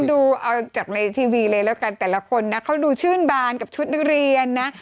ดูเอาจากในทีวีเลยแล้วกันแต่ละคนนะเขาดูชื่นบานกับชุดนักเรียนนะ